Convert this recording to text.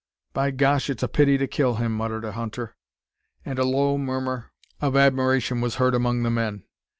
"By gosh! it's a pity to kill him," muttered a hunter; and a low murmur of admiration was heard among the men.